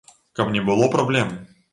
Каб не было праблем.